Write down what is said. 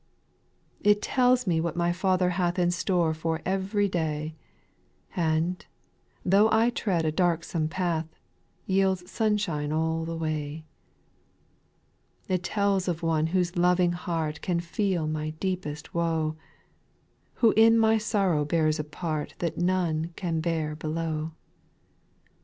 It tells me what my Father hath In store for ev'ry day, And, though I tread a darksome path, Yields sunshine all the way. 5. It tells of One whose loving heart Can feel my deepest woe, Who in my sorrow bears a part That none can bear below.